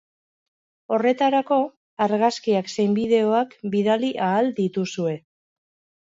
Horretarako, argazkiak zein bideoak bidali ahal dituzue.